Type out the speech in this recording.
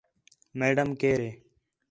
میڈم کیئر ہے